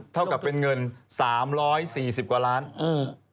เท่ากับเป็นเงิน๓๔๐กว่าล้านบาท